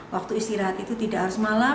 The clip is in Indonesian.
waktu istirahat itu tidak harus malam